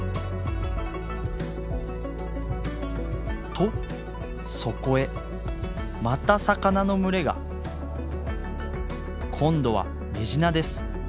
とそこへまた魚の群れが。今度はメジナです。